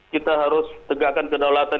kita harus tegakkan kedaulatan